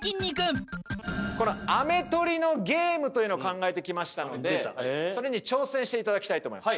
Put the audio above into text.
このアメ取りのゲームというのを考えてきましたのでそれに挑戦していただきたいと思います